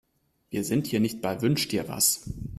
Wir sind hier nicht bei Wünsch-dir-was.